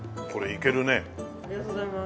ありがとうございます。